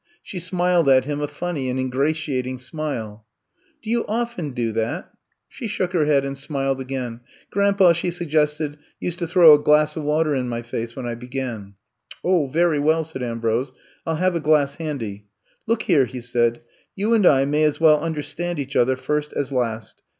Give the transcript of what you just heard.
She smiled at him a funny and ingratiating smile. Do you often do that f She shook her head and smiled again. Grandpa/* she suggested, *'used to throw a glass of water in my face when I began." 0h, very well, said Ambrose. I *11 have a glass handy. Look here,*' he said^ *^you and I may as well understand each other first as last.